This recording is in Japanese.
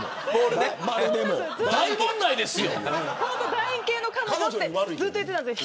楕円形の彼女ってずっと言っていたんですよ。